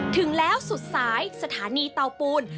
ถึงแล้วสุดสายสถานีเตาปูน